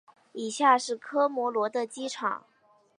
以下是科摩罗的机场。